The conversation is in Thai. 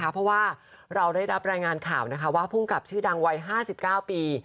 เพราะว่าเราได้รับรายงานข่าวว่าภูมิกับชื่อดังวัย๕๙ปี